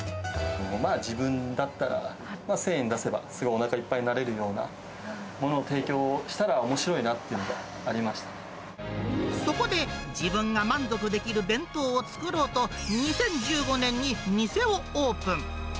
自分だったら、１０００円出せば、すごいおなかいっぱいになれるようなものを提供したらおもしろいそこで、自分が満足できる弁当を作ろうと、２０１５年に店をオープン。